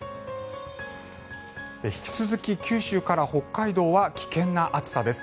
引き続き九州から北海道は危険な暑さです。